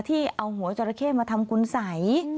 ที่เอาหัวจอระเข้มาทำกุนใส